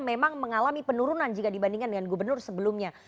memang mengalami penurunan jika dibandingkan dengan gubernur sebelumnya